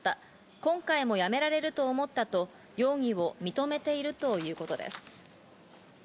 今回もやめられると思ったと容疑を認めているということです。